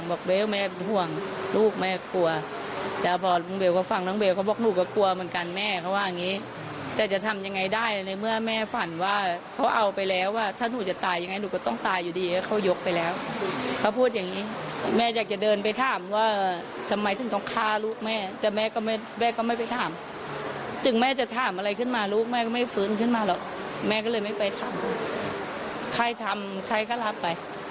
พอมาถึงอันนี้พอมาถึงอันนี้พอมาถึงอันนี้พอมาถึงอันนี้พอมาถึงอันนี้พอมาถึงอันนี้พอมาถึงอันนี้พอมาถึงอันนี้พอมาถึงอันนี้พอมาถึงอันนี้พอมาถึงอันนี้พอมาถึงอันนี้พอมาถึงอันนี้พอมาถึงอันนี้พอมาถึงอันนี้พอมาถึงอันนี้พอมาถึงอันนี้พอมาถึงอันนี้พอมาถึงอันนี้พอมาถึงอันนี้พ